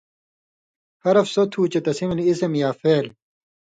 حرف سو تُھو چے تسی ملیۡ اسم یا فعل